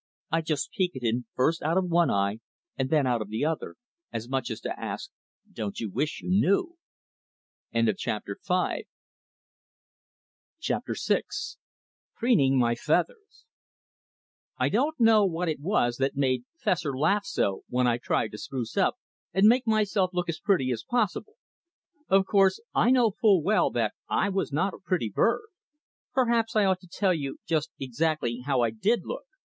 I'd just peek at him, first out of one eye and then out of the other, as much as to ask: "Don't you wish you knew?" [Illustration: "At first I thought it was another little bird." Page 43.] Chapter VI Preening my Feathers I don't know what it was that made Fessor laugh so when I tried to "spruce up" and make myself look as pretty as possible. Of course, I know full well that I was not a pretty bird. Perhaps I ought to tell you just exactly how I did look.